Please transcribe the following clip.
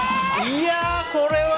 いや、これは。